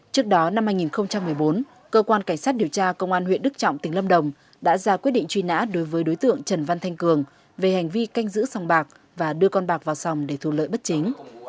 trước đó năm hai nghìn một mươi bốn cơ quan cảnh sát điều tra công an huyện đức trọng tỉnh lâm đồng đã ra quyết định truy nã đối với đối tượng trần văn thanh cường về hành vi canh giữ sòng bạc và đưa con bạc vào sòng để thu lợi bất chính